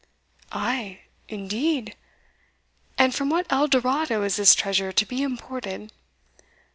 "Ay! indeed? and from what Eldorado is this treasure to be imported?"